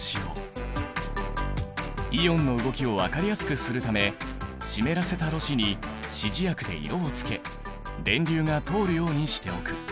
イオンの動きを分かりやすくするため湿らせたろ紙に指示薬で色をつけ電流が通るようにしておく。